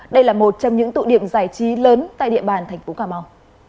đây là một trong những tụ điểm giải trí lớn tại địa bàn tp cà mau